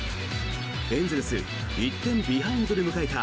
エンゼルス１点ビハインドで迎えた